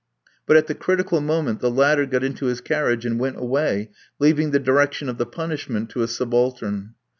But at the critical moment the latter got into his carriage, and went away, leaving the direction of the punishment to a subaltern.